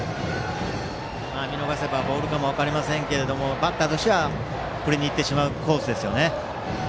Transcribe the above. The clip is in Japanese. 見逃せばボールかも分かりませんがバッターとしては振りにいってしまうコースです。